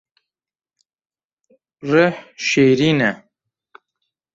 Rih şêrîn e